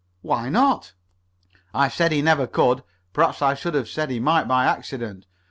"Why not?" "I said he never could. Perhaps I should have said he might by accident.